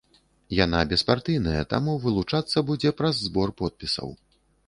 Яна беспартыйная, таму вылучацца будзе праз збор подпісаў.